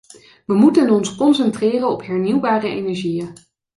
We moeten ons concentreren op hernieuwbare energieën.